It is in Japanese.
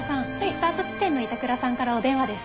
スタート地点の板倉さんからお電話です。